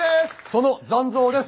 その残像です。